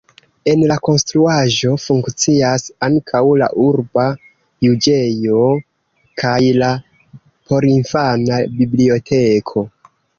En la konstruaĵo funkcias ankaŭ la urba juĝejo kaj la porinfana biblioteko.